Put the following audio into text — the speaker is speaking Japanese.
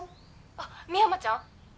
「あっ深山ちゃん？」